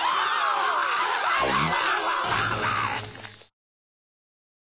わ！